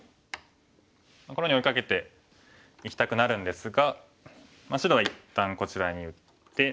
このように追いかけていきたくなるんですが白は一旦こちらに打って。